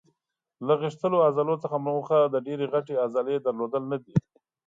له غښتلو عضلو څخه موخه د ډېرې غټې عضلې درلودل نه دي.